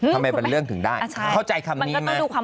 เป็นเรื่องถึงได้เข้าใจคำนี้ไหม